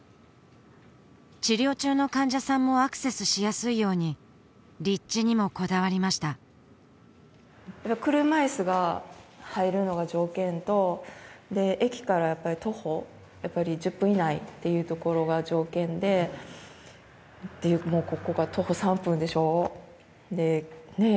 治療中の患者さんもアクセスしやすいように立地にもこだわりました車いすが入るのが条件とで駅からやっぱり徒歩１０分以内っていうところが条件でもうここが徒歩３分でしょでねえ